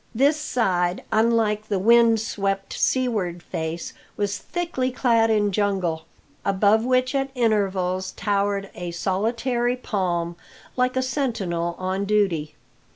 This side, unlike the wind swept seaward face, was thickly clad in jungle, above which at intervals towered a solitary palm like a sentinel on duty.